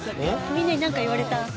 みんなになんか言われた？